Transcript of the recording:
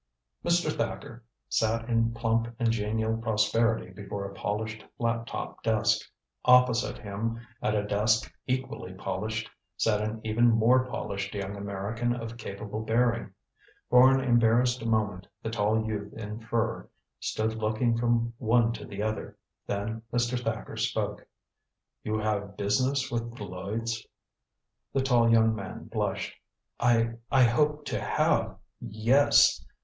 Mr. Thacker sat in plump and genial prosperity before a polished flat top desk. Opposite him, at a desk equally polished, sat an even more polished young American of capable bearing. For an embarrassed moment the tall youth in fur stood looking from one to the other. Then Mr. Thacker spoke: "You have business with Lloyds?" The tall young man blushed. "I I hope to have yes."